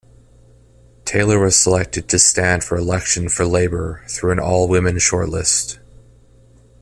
Taylor was selected to stand for election for Labour through an all-women shortlist.